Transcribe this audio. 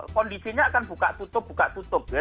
kondisinya akan buka tutup buka tutup ya